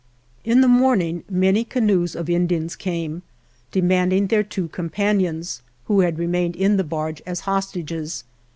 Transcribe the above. IN the morning many canoes of Indians came, demanding their two compan ions, who had remained in the barge as hostages.